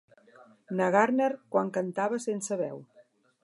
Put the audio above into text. Na Gardner quan cantava sense veu.